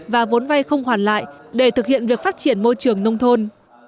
và vốn vay không hoàn lại để thực hiện việc phát triển môi trường nông thôn